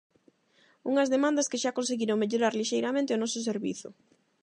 Unha demandas que xa conseguiron mellorar, lixeiramente, o servizo.